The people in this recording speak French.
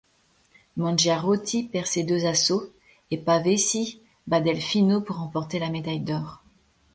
Mangiarotti perd ses deux assauts et Pavesi bat Delfino pour remporter la médaille d’or.